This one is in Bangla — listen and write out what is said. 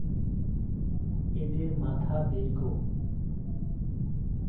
এদের মাথা দীর্ঘ।